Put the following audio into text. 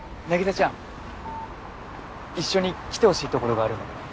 凪沙ちゃん一緒に来てほしいところがあるの。